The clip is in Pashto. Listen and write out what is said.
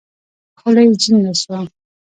خوله يې جينګه سوه.